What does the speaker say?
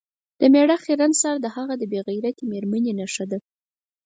د میړه خیرن سر د هغه د بې غیرتې میرمنې نښه ده.